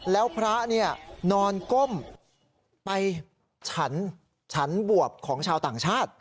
แล้วพระนอนก้มไปฉันบวบของชาวต่างชาติ